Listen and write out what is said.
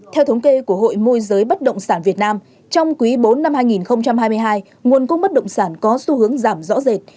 theo thống kê của hội môi giới bất động sản việt nam trong quý bốn năm hai nghìn hai mươi hai nguồn cung bất động sản có xu hướng giảm rõ rệt